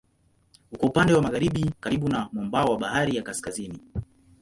Uko upande wa magharibi karibu na mwambao wa Bahari ya Kaskazini.